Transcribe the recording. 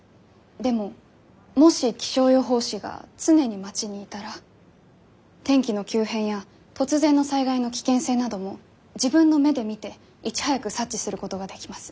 でももし気象予報士が常に町にいたら天気の急変や突然の災害の危険性なども自分の目で見ていち早く察知することができます。